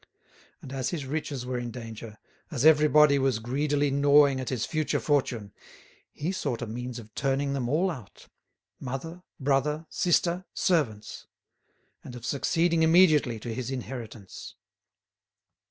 And as his riches were in danger, as everybody was greedily gnawing at his future fortune, he sought a means of turning them all out—mother, brother, sister, servants—and of succeeding immediately to his inheritance.